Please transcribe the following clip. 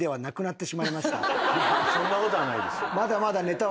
そんなことはないです。